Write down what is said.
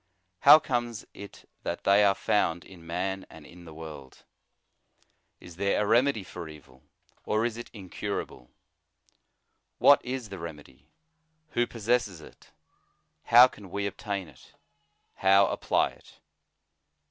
How comes it that they are found in man and in the world ? Is there a remedy for evil, or is it incura ble ? What is the remedy ? who possesses it? how can we obtain it? how apply it?